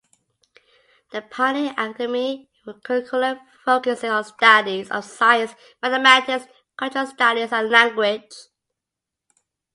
The Pioneer Academy curriculum focuses on studies of science, mathematics, cultural studies and language.